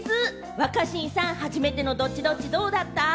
若新さん初めてのドッチドッチどうだった？